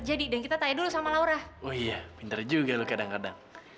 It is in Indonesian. jadikannya rp tujuh ratus juta